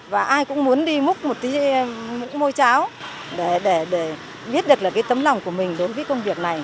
và ai cũng muốn đi múc một tí mũi cháo để biết được tấm lòng của mình đối với công việc này